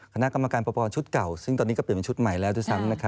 คณะกรรมการปปชุดเก่าซึ่งตอนนี้ก็เปลี่ยนเป็นชุดใหม่แล้วด้วยซ้ำ